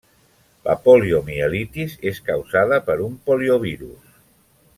La poliomielitis és causada per un poliovirus.